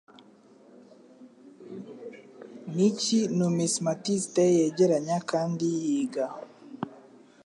Niki Numismatiste Yegeranya Kandi Yiga